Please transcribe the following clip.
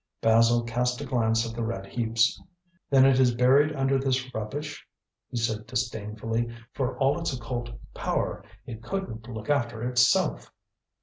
Basil cast a glance at the red heaps. "Then it is buried under this rubbish," he said disdainfully; "for all its occult power, it couldn't look after itself!